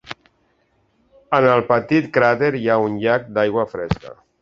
En el petit cràter hi ha un llac d'aigua fresca.